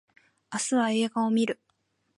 明日は映画を見る